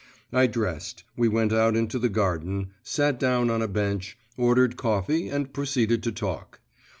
I dressed; we went out into the garden, sat down on a bench, ordered coffee, and proceeded to talk.